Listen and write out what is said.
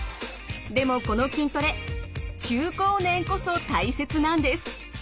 でもこの筋トレ中高年こそ大切なんです。